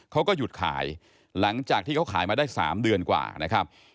เขาก็หยุดขายหลังจากที่เขาขายมาได้๓เดือนกว่านะครับ